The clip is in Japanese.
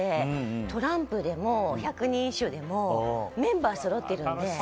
トランプでも百人一首でもメンバーそろっているので。